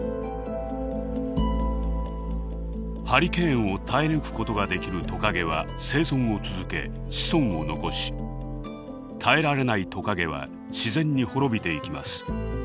ハリケーンを耐え抜くことができるトカゲは生存を続け子孫を残し耐えられないトカゲは自然に滅びていきます。